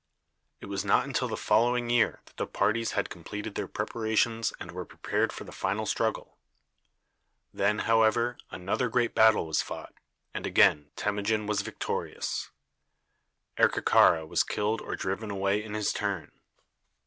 It was not until the following year that the parties had completed their preparations and were prepared for the final struggle. Then, however, another great battle was fought, and again Temujin was victorious. Erkekara was killed or driven away in his turn.